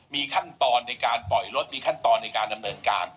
มีขั้นตอนในการปล่อยรถมีขั้นตอนในการดำเนินการ